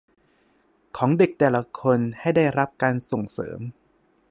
ของเด็กแต่ละคนให้ได้รับการส่งเสริม